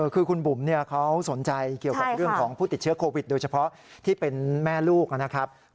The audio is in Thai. คือคุณบุ๋มเขาสนใจเกี่ยวกับเรื่องของผู้ติดเชื้อโควิดโดยเฉพาะที่เป็นแม่ลูกนะครับ